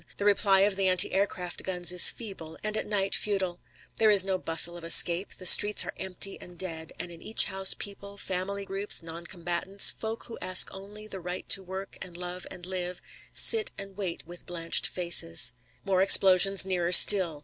The reply of the anti aircraft guns is feeble, and at night futile. There is no bustle of escape. The streets are empty and dead, and in each house people, family groups, noncombatants, folk who ask only the right to work and love and live, sit and wait with blanched faces. More explosions, nearer still.